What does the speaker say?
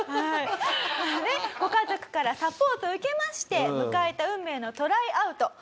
ご家族からサポートを受けまして迎えた運命のトライアウト。